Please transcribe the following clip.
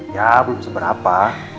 ya belum seberapa